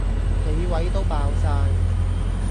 企位都爆哂